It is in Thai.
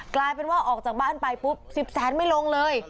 กลายเป็นว่าออกจากบ้านไปปุ๊บ๑๐แสนไม่ลงเลย